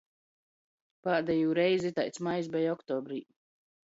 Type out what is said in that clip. Pādejū reizi itaids majs beja oktobrī.